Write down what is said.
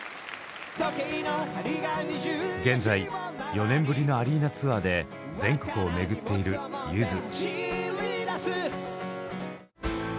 現在４年ぶりのアリーナツアーで全国を巡っているゆず。